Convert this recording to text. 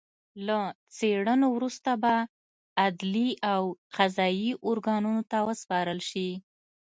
له څېړنو وروسته به عدلي او قضايي ارګانونو ته وسپارل شي